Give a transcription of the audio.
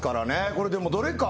これでもどれか。